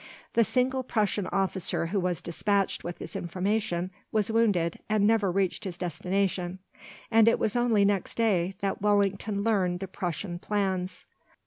The single Prussian officer who was despatched with this information was wounded, and never reached his destination, and it was only next day that Wellington learned the Prussian plans.